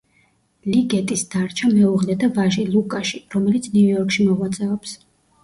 ლიგეტის დარჩა მეუღლე და ვაჟი, ლუკაში, რომელიც ნიუ-იორკში მოღვაწეობს.